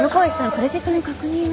クレジットの確認は？